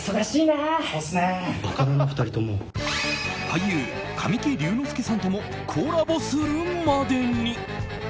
俳優・神木隆之介さんともコラボするまでに。